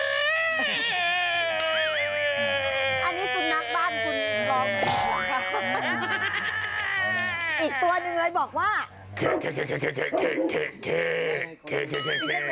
อันนี้สุนัขบ้านคุณร้องจริงหรือยังคะ